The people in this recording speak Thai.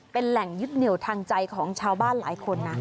เป็นแหล่งยึดเหนียวทางใจของชาวบ้านหลายคนนะ